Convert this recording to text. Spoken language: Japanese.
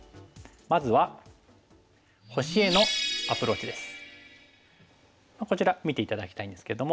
まずはこちら見て頂きたいんですけども。